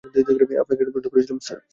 আপনাকে একটা প্রশ্ন করেছিলাম, স্যার!